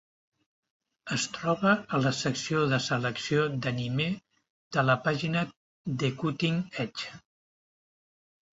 Es troba a la secció de Selecció d'Animé de la pàgina The Cutting Edge.